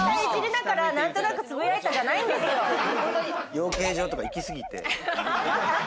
養鶏場とか行きすぎて。